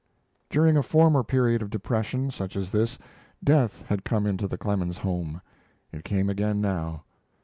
During a former period of depression, such as this, death had come into the Clemens home. It came again now.